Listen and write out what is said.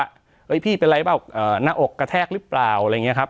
เฮ้ยพี่เป็นไรเปล่าหน้าอกกระแทกหรือเปล่าอะไรอย่างนี้ครับ